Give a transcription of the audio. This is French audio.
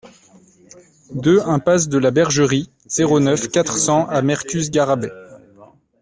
deux impasse de la Bergerie, zéro neuf, quatre cents à Mercus-Garrabet